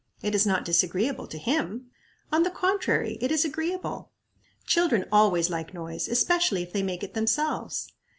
It is not disagreeable to him. On the contrary, it is agreeable. Children always like noise, especially if they make it themselves.